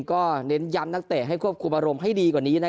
ก็เน้นย้ำนักเตะให้ควบคุมอารมณ์ให้ดีกว่านี้